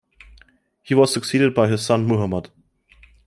He was succeeded by his son Muhammad.